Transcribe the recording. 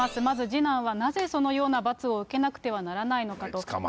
次男はなぜそのような罰を受けなくてはならないのかと。